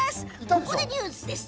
ここでニュースです。